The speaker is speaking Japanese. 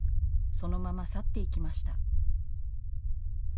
そのまま去っていきました。